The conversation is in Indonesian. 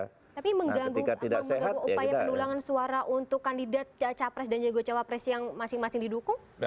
tapi mengganggu upaya pendulangan suara untuk kandidat capres dan juga cawapres yang masing masing didukung